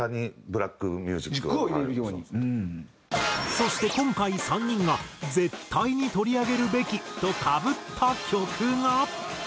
そして今回３人が絶対に取り上げるべきとかぶった曲が。